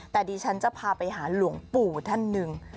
แต่ดิฉันจะพาไปหาหลวงปู่ท่านหนึ่ง